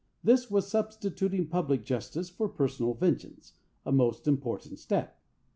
This was substituting public justice for personal vengeance—a most important step.